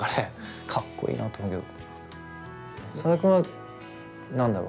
かっこいいなと思うけど。